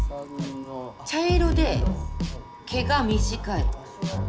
茶色で毛が短い。